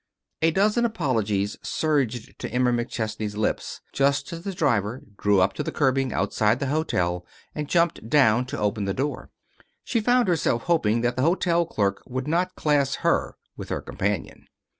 A dozen apologies surged to Emma McChesney's lips just as the driver drew up at the curbing outside the hotel and jumped down to open the door. She found herself hoping that the hotel clerk would not class her with her companion.